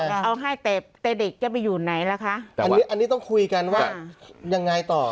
ป้าก็จะเอาให้แต่เด็กจะไปอยู่ไหนล่ะคะอันนี้ต้องคุยกันว่ายังไงต่อ